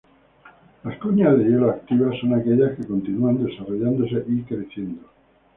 Las cuñas de hielo activas son aquellas que continúan desarrollándose y creciendo.